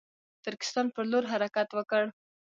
ترکستان پر لور حرکت وکړ.